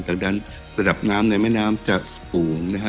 ดังนั้นระดับน้ำในแม่น้ำจะสูงนะฮะ